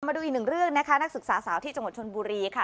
มาดูอีกหนึ่งเรื่องนะคะนักศึกษาสาวที่จังหวัดชนบุรีค่ะ